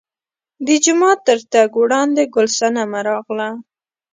د جومات تر تګ وړاندې ګل صنمه راغله.